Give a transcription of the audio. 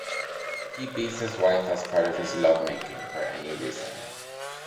He beats his wife as part of his lovemaking, for any reason.